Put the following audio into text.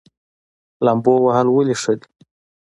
لامبو وهل ولې ښه دي؟